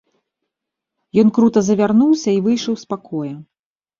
Ён крута завярнуўся і выйшаў з пакоя.